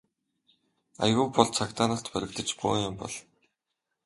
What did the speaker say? Аягүй бол цагдаа нарт баригдаж бөөн юм болно.